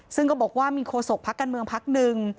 ซึ่งก็บอกว่ามีโคศกพักการเมืองพักหนึ่ง